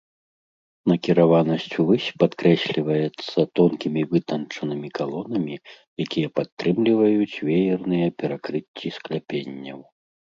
Накіраванасць увысь падкрэсліваецца тонкімі вытанчанымі калонамі, якія падтрымліваюць веерныя перакрыцці скляпенняў.